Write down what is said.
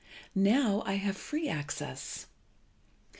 Now I have free access.